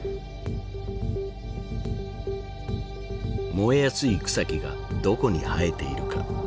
燃えやすい草木がどこに生えているか。